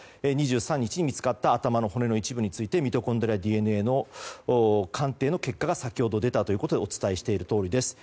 ２３日に見つかった頭の骨の一部についてミトコンドリアＤＮＡの鑑定の結果が先ほど出たということでお伝えしているとおりです。